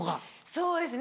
そうですね